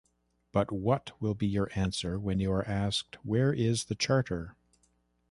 But what will be your answer when you are asked: 'Where is the Charter'?